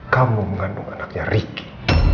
kamu mengandung anaknya riki